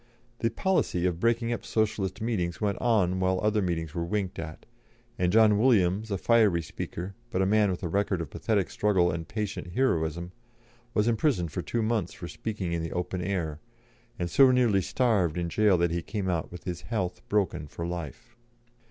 The policy of breaking up Socialist meetings went on while other meetings were winked at, and John Williams, a fiery speaker, but a man with a record of pathetic struggle and patient heroism, was imprisoned for two months for speaking in the open air, and so nearly starved in gaol that he came out with his health broken for life.